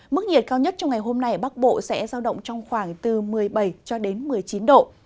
mức nhiệt cao nhất trong ngày hôm nay ở bắc bộ sẽ giao động trong khoảng từ một mươi bảy cho đến một mươi chín độ